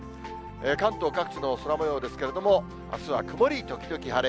関東各地の空もようですけれども、あすは曇り時々晴れ。